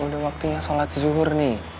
udah waktunya sholat zuhur nih